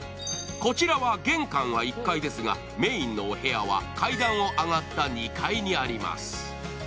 こちらは、玄関は１階ですがメインのお部屋は階段を上がった２階にあります。